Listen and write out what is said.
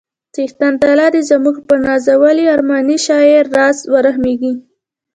څښتن تعالی دې زموږ پر نازولي او ارماني شاعر راز ورحمیږي